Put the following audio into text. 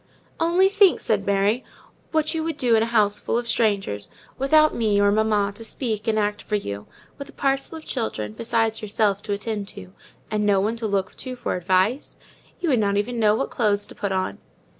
"Only think," said Mary, "what would you do in a house full of strangers, without me or mamma to speak and act for you—with a parcel of children, besides yourself, to attend to; and no one to look to for advice? You would not even know what clothes to put on."